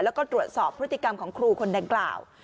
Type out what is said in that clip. แล้วก็ตรวจสอบพฤติกรรมของครูคนดังกล่าว